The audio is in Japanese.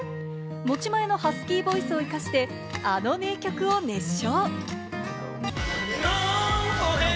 持ち前のハスキーボイスを生かして、あの名曲を熱唱！